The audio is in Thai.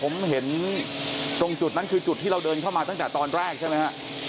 ผมเห็นตรงจุดนั้นคือจุดที่เราเดินเข้ามาตั้งแต่ตอนแรกใช่ไหมฮะ